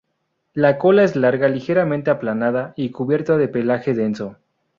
La cola es larga, ligeramente aplanada y cubierta de pelaje denso.